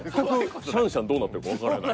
シャンシャンどうなってるかわからない。